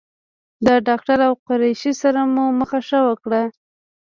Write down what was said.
د ډاکټر او قریشي سره مو مخه ښه وکړه.